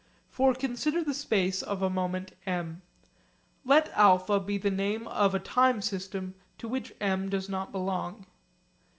For consider the space of a moment M. Let α be the name of a time system to which M does not belong.